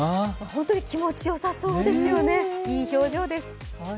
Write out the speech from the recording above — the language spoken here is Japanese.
本当に気持ちよさそうですよね、いい表情です。